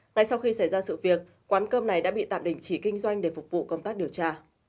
ngay sau khi xảy ra sự việc quán cơm này đã bị tạm đình chỉ kinh doanh để phục vụ công tác điều tra